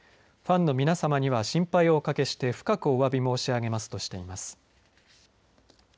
ファンの皆さまには心配をおかけして深くおわび申し上げますとしています。